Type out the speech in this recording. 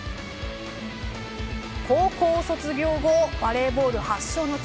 高校卒業後バレーボール発祥の地